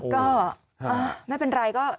ก็ไม่เป็นไรก็